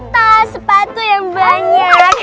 tas sepatu yang banyak